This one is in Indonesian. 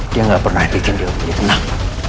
dia gak pernah bikin dewa jadi tenang